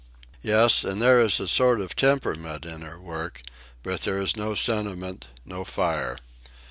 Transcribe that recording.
Yes, and there is a sort of temperament in her work, but there is no sentiment, no fire.